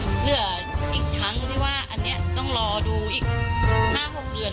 เหลืออีกครั้งที่ว่าอันนี้ต้องรอดูอีก๕๖เดือน